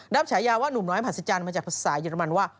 ฉายาว่าหนุ่มน้อยมหัศจรรย์มาจากภาษาเยอรมันว่า